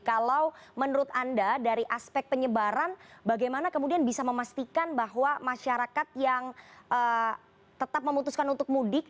kalau menurut anda dari aspek penyebaran bagaimana kemudian bisa memastikan bahwa masyarakat yang tetap memutuskan untuk mudik